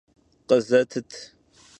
Khızetıt!